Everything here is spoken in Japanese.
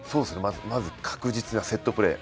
確実なセットプレー。